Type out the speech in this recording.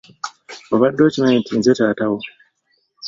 Obadde okimanyi nti nze taata wo.